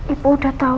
ibu udah tau